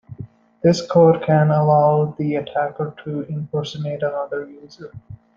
This code can allow the attacker to impersonate another user.